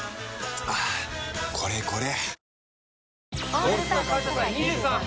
はぁこれこれ！